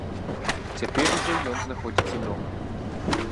Цяпер ужо ён знаходзіцца дома.